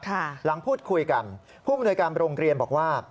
หลังพูดคุยกันผู้อำนวยการโรงเรียนบอกว่า